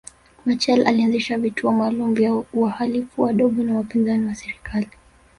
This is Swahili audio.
Machel alianzisha vituo maalumu vya wahalifu wadogo na wapinzani wa kisiasa